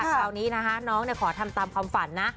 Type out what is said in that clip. คราวนี้นะคะน้องขอทำตามความฝันนะ